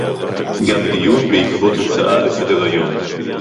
גם דיון בעקבות הצעה לסדר-היום